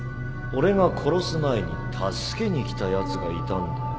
俺が殺す前に助けに来たやつがいたんだよ